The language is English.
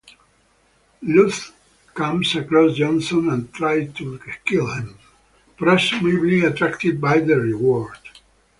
Luce comes across Johnson and tries to kill him, presumably attracted by the reward.